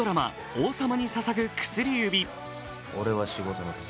「王様に捧ぐ薬指」。